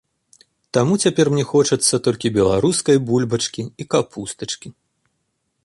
Таму цяпер мне хочацца толькі беларускай бульбачкі і капустачкі.